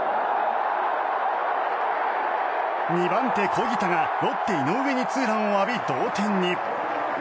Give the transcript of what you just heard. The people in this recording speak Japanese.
２番手、小木田がロッテ井上にツーランを浴び同点に。